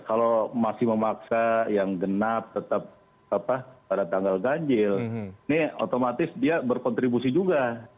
kalau masih memaksa yang genap tetap pada tanggal ganjil ini otomatis dia berkontribusi juga